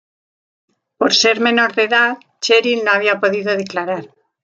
Por ser menor de edad Cheryl no había podido declarar.